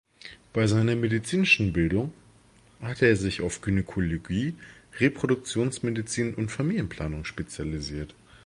Bei seiner medizinischen Bildung hatte er sich auf Gynäkologie, Reproduktionsmedizin und Familienplanung spezialisiert.